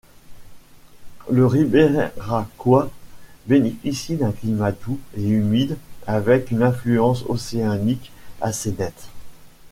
Le Ribéracois bénéficie d'un climat doux et humide avec une influence océanique assez nette.